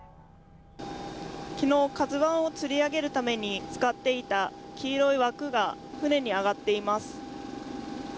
昨日、「ＫＡＺＵⅠ」をつり上げるために使っていた黄色い枠が船に揚がっています。